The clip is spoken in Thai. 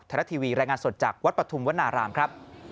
รัฐทีวีรายงานสดจากวัดปฐุมวนารามครับ